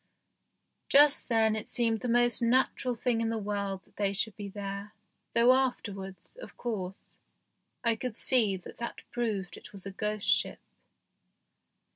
Just then it seemed the most natural thing in the world that they should be there, though afterwards, of course, I could see that that proved it was a ghost ship.